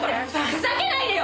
ふざけないでよ！